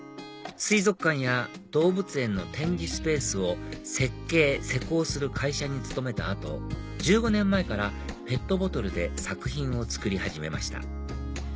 水族館や動物園の展示スペースを設計・施工する会社に勤めた後１５年前からペットボトルで作品を作り始めました